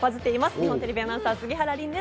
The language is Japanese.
日本テレビアナウンサー、杉原凜です。